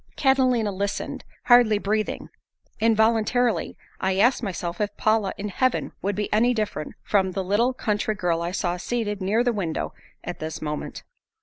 Catalina listened, hardly breathing. Involuntarily, I asked myself if Paula in heaven would be any different from the little country girl I saw seated near the window at this moment.